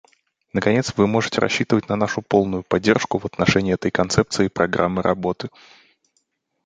Наконец, вы можете рассчитывать на нашу полную поддержку в отношении этой концепции программы работы.